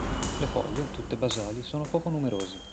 Le foglie, tutte basali, sono poco numerose.